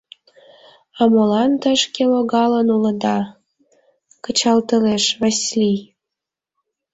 — А молан тышке логалын улыда? — кычалтылеш Васлий.